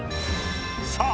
さあ